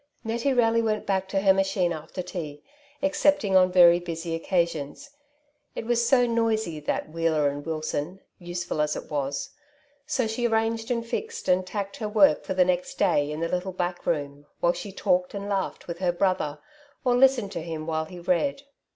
Nettie rarely went back to her machine after tea, excepting on very busy occasions — it was so noisy, that "Wheeler and Wilson,^^ useful as it was — so she arranged, and fixed, and tacked her work for the next day in the little back room, while she talked and laughed with her brother, or listened to him while he read.